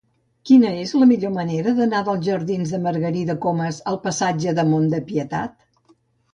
Quina és la millor manera d'anar dels jardins de Margarida Comas al passatge del Mont de Pietat?